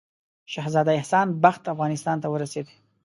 شهزاده احسان بخت افغانستان ته ورسېدی.